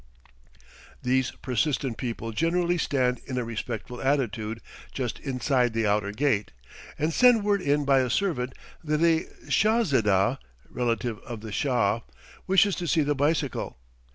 These persistent people generally stand in a respectful attitude just inside the outer gate, and send word in by a servant that a Shahzedah (relative of the Shah) wishes to see the bicycle.